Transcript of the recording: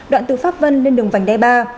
đoạn từ pháp vân lên đường vành đe ba